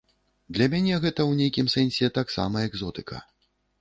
Для мяне гэта ў нейкім сэнсе таксама экзотыка.